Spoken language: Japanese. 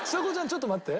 ちょっと待って。